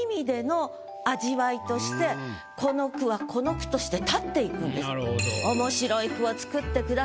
としてこの句はこの句として立っていくんです。